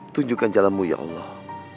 tunjukkan jalammu ya allah